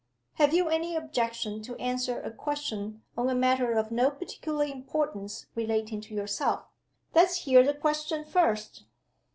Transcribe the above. Have you any objection to answer a question on a matter of no particular importance relating to yourself?" "Let's hear the question first."